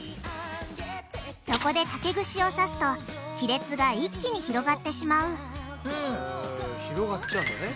そこで竹串を刺すと亀裂が一気に広がってしまう広がっちゃうんだね。